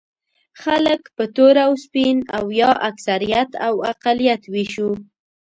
خلک په تور او سپین او یا اکثریت او اقلیت وېشو.